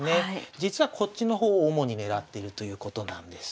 実はこっちの方を主に狙ってるということなんです。